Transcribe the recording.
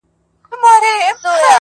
o بې ما بې شل نه کې٫